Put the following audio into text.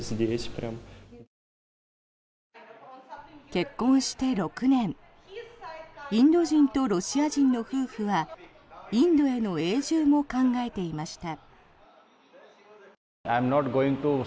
結婚して６年インド人とロシア人の夫婦はインドへの永住も考えていました。